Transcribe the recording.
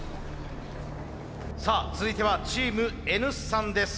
さあ続いてはチームＮ産です。